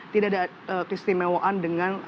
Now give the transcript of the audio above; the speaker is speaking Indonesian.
tidak ada kesistimewaan dengan